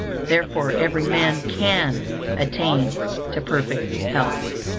Therefore, every man can attain to perfect health.